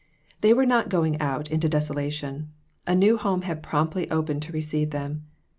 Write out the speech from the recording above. They were not going out into desolation. A new home had promptly opened to receive them.